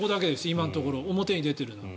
今のところ、表に出ているのは。